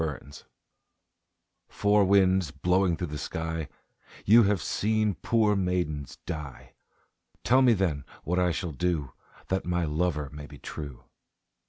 Four Winds "Four winds blowing thro' the sky, You have seen poor maidens die, Tell me then what I shall do That my lover may be true."